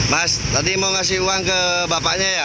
mas tadi mau ngasih uang ke bapaknya ya